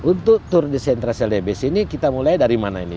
untuk tour the central celebes ini kita mulai dari mana ini